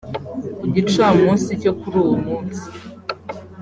Ku gicamunsi cyo kuri uwo munsi